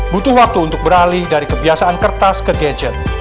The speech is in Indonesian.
butuh waktu untuk beralih dari kebiasaan kertas ke gadget